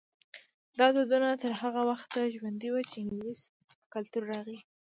دا دودونه تر هغه وخته ژوندي وو چې انګلیسي کلتور راغی.